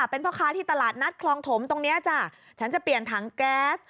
เป็นพ่อค้าที่ตลาดนัดคลองถมตรงนี้จ้ะฉันจะเปลี่ยนถังแก๊ส